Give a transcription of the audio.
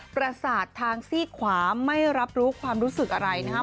ประสาททางซี่ขวาไม่รับรู้ความรู้สึกอะไรนะครับ